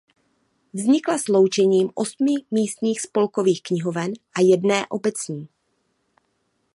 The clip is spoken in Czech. Vznikla sloučením osmi místních spolkových knihoven a jedné obecní.